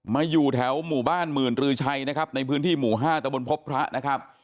อยู่แถวหมู่บ้านหมื่นรือชัยนะครับในพื้นที่หมู่๕ตะบนพบพระนะครับ